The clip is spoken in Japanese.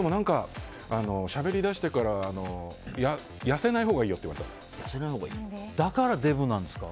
しゃべりだしてからやせないほうがいいよってだからデブなんですか？